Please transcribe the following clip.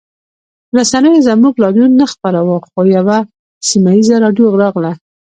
رسنیو زموږ لاریون نه خپراوه خو یوه سیمه ییزه راډیو راغله